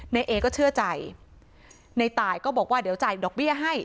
ในเอก็เชื่อใจในตายก็บอกว่าเดี๋ยวจ่ายดอกเบี้ยให้